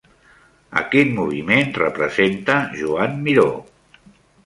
A quin moviment representa Joan Miró?